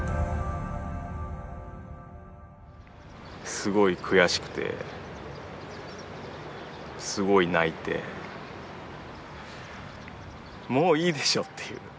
すごい悔しくてすごい泣いて「もういいでしょ」っていう。